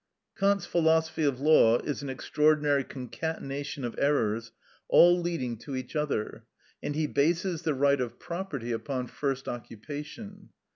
Kant's philosophy of law is an extraordinary concatenation of errors all leading to each other, and he bases the right of property upon first occupation.